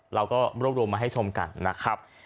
เราก็รวบรวมมาให้ชมกันนะครับ